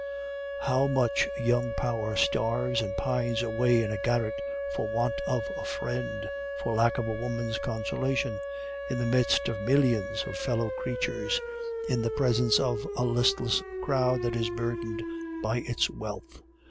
How much young power starves and pines away in a garret for want of a friend, for lack of a woman's consolation, in the midst of millions of fellow creatures, in the presence of a listless crowd that is burdened by its wealth!